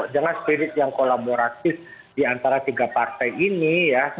dengan spirit yang kolaboratif diantara tiga partai ini ya